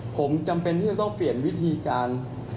ผมจำเป็นที่จะต้องเปลี่ยนวิธีการ